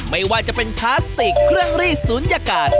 ไม่ว่าจะเป็นพลาสติกเครื่องรีดศูนยากาศ